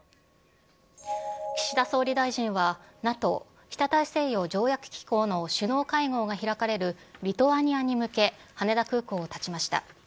岸田総理大臣は、ＮＡＴＯ・北大西洋条約機構の首脳会合が開かれるリトアニアに向け、羽田空港をたちました。